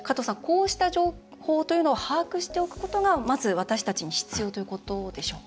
こうした情報というのを把握しておくことが、まず私たちに必要ということでしょうか？